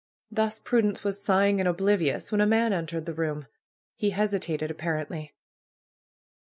Thus Prudence was sighing and oblivious when a man entered the room. He hesitated, apparently.